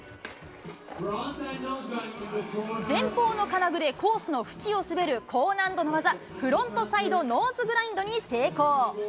前方の金具でコースの縁を滑る高難度の技、フロントサイドノーズグラインドに成功。